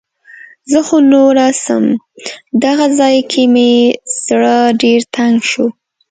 زه خو نوره څم. دغه ځای کې مې زړه ډېر تنګ شو.